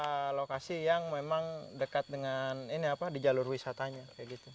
ada lokasi yang memang dekat dengan ini apa di jalur wisatanya kayak gitu